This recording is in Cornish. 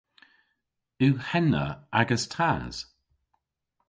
Yw henna agas tas?